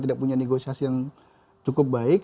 tidak punya negosiasi yang cukup baik